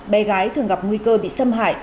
bé gái thường gặp nguy cơ bị xâm hại